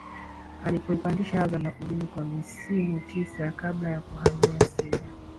alipoipandisha Azam na kudumu kwa misimu tisa kabla ya kuhamia Simba